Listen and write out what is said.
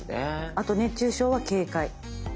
あと熱中症は警戒。